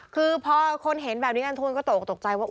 คือพอคนเห็นแบบนี้กันทุกคนก็ตกตกใจว่า